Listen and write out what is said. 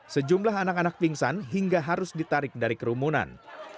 sejumlah anak anak pingsan hingga harus ditarik dari kerumunan